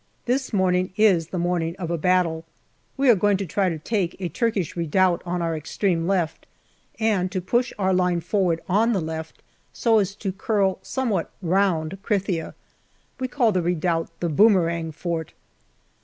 This morning is the morning of a battle. We are going to try to take a Turkish redoubt on our extreme left, and to push our line forward on the left, so as to curl somewhat round Krithia. We call the redoubt " The Boomerang Fort."